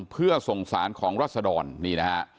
เพื่อส่งสารของรัศดรนี่นะฮะ